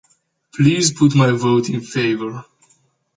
Please put my vote in favour.